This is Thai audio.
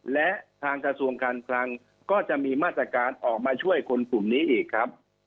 และทางกระทรวงการคลังก็จะมีมาตรการออกมาช่วยคนกลุ่มนี้อีกครับ